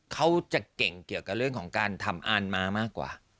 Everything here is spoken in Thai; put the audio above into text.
เขาจะเก่งเกี่ยวกับเรื่องของการทำอ่านม้ามากกว่า